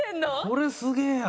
「これすげえや」